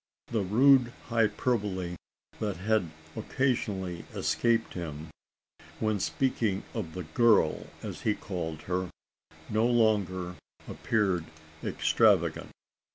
The rude hyperbole that had occasionally escaped him, when speaking of the "girl" as he called her no longer appeared extravagant.